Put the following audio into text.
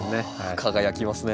輝きますね。